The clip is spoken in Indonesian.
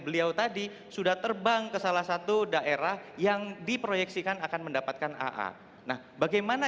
beliau tadi sudah terbang ke salah satu daerah yang diproyeksikan akan mendapatkan aa nah bagaimana